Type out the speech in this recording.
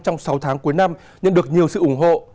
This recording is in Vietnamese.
trong sáu tháng cuối năm nhận được nhiều sự ủng hộ